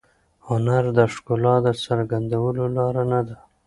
هنر د ښکلا د څرګندولو لاره نه ده.